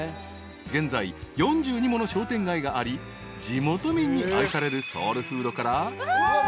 ［現在４２もの商店街があり地元民に愛されるソウルフードから］